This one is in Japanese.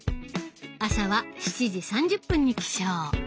朝は７時３０分に起床。